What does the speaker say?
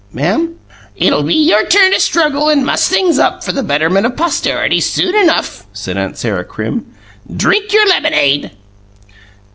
"Ma'am?" "It'll be your turn to struggle and muss things up, for the betterment of posterity, soon enough," said Aunt Sarah Crim. "Drink your lemonade!"